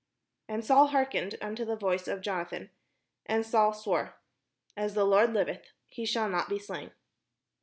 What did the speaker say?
And Saul hearkened unto the voice of Jonathan: and Saul sware, ''As the Lord Hveth, he shall not be slain."